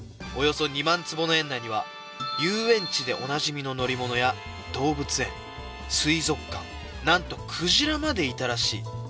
およそ２万坪の園内には遊園地でおなじみの乗り物や動物園水族館何とクジラまでいたらしい